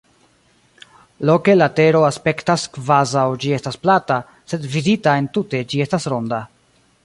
Loke la Tero aspektas kvazaŭ ĝi estas plata, sed vidita entute ĝi estas ronda.